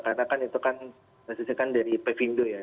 karena itu kan dari pevindo ya